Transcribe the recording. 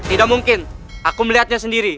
tidak mungkin aku melihatnya sendiri